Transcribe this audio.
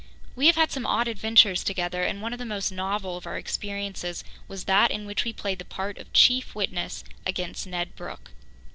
We have had some odd adventures together, and one of the most novel of our experiences was that in which we played the part of chief witness against Ned Brooke.